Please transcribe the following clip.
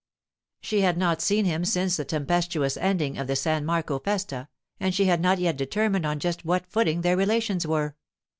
She had not seen him since the tempestuous ending of the San Marco festa, and she had not yet determined on just what footing their relations were.